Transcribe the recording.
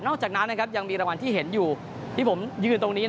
จากนั้นยังมีรางวัลที่เห็นอยู่ที่ผมยืนตรงนี้